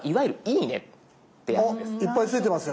いっぱいついてますよ。